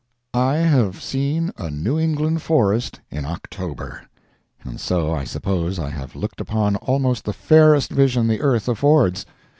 I have seen a New England forest in October, and so I suppose I have looked upon almost the fairest vision the earth affords.